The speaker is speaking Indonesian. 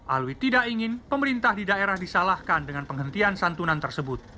alwi tidak ingin pemerintah di daerah disalahkan dengan penghentian santunan tersebut